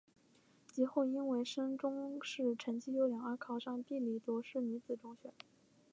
及后因为升中试成绩优良而考上庇理罗士女子中学。